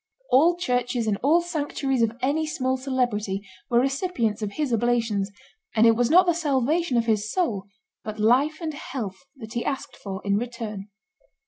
All churches and all sanctuaries of any small celebrity were recipients of his oblations, and it was not the salvation of his soul, but life and health, that he asked for in return.